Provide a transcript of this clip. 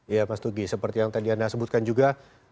ya mas tugi seperti yang tadi anda sebutkan juga